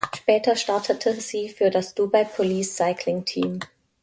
Später startete sie für das "Dubai Police Cycling Team".